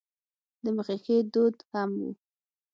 د مخه ښې دود هم و.